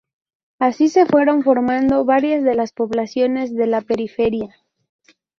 Así se fueron formando varias de las poblaciones de la periferia.